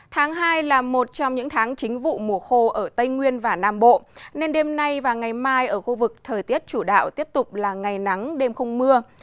tháng hai là một trong những tháng chính vụ mùa khô ở tây nguyên và nam bộ nên đêm nay và ngày mai ở khu vực thời tiết chủ đạo tiếp tục là ngày nắng đêm không mưa